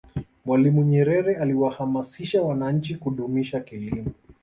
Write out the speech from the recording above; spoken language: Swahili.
mwalimu nyerere aliwahamasisha wananchi kudumisha kilimo